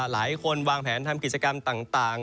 หลายคนวางแผนทำกิจกรรมต่าง